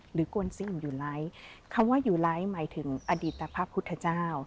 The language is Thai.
หรือกวนอิมอยู่ไร้คำว่าอยู่ไร้หมายถึงอดีตภาพพุทธเจ้า